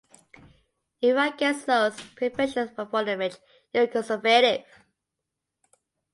If you are against those perversions and for the rich, you're a conservative.